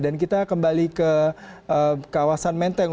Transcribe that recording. dan kita kembali ke kawasan menteng